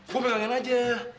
gue pegangin aja